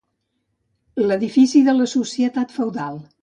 L'edifici de la societat feudal.